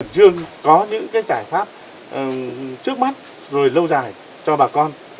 trường có những giải pháp trước mắt rồi lâu dài cho bà con